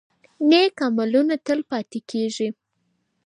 نیک عملونه تل پاتې کیږي.